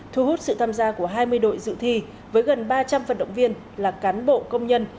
thu hút sự tham gia của hai mươi đội dự thi với gần ba trăm linh vận động viên là cán bộ công nhân